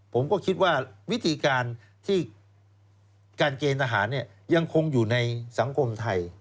ผมก็คิดว่าวิธีการที่การเกณฑ์ทหารยังคงอยู่ในสังคมไทย